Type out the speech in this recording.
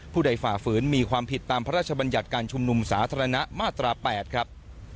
ผู้ใดฝ่าฝืนมีความผิดตามพระราชบัญญัติการชุมนุมสาธารณะมาตรา๘ครับ